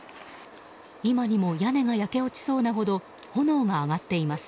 今にも屋根が焼け落ちそうなほど炎が上がっています。